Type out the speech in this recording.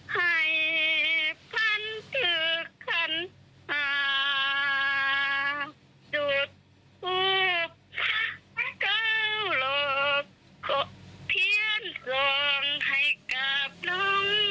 ให้ฟันถูกขันหาจุดภูภันเก้าหลบกะเทียนส่องให้กาบลง